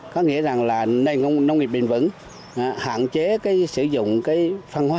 có nghĩa là nâng nông nghiệp bình vững hạn chế sử dụng phân hóa